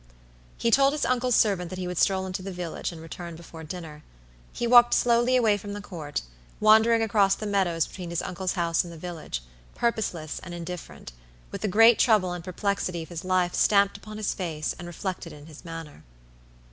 He told his uncle's servant that he would stroll into the village, and return before dinner. He walked slowly away from the Court, wandering across the meadows between his uncle's house and the village, purposeless and indifferent, with the great trouble and perplexity of his life stamped upon his face and reflected in his manner.